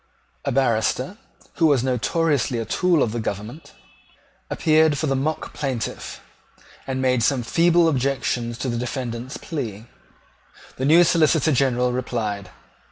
A barrister, who was notoriously a tool of the government, appeared for the mock plaintiff, and made some feeble objections to the defendant's plea. The new Solicitor General replied.